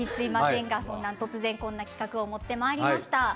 突然こんな企画を持ってまいりました。